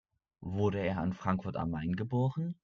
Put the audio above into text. Wurde er in Frankfurt am Main geboren?